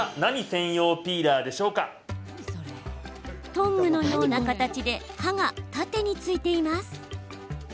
トングのような形で刃が縦に付いています。